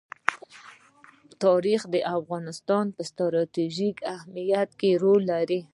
تاریخ د افغانستان په ستراتیژیک اهمیت کې رول لري.